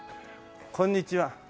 こんにちは。